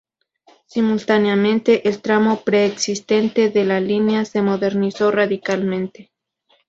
Simultáneamente, el tramo preexistente de la línea se modernizó radicalmente.